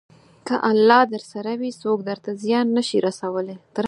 که الله درسره وي، څوک درته زیان نه شي رسولی.